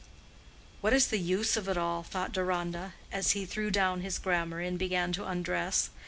"What is the use of it all?" thought Deronda, as he threw down his grammar, and began to undress.